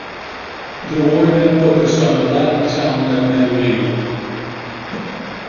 The war then focused on the Latin town of Medullia.